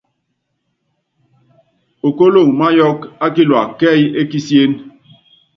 Okóloŋ máyɔɔ́k á kilua kɛ́ɛ́y é kisíén.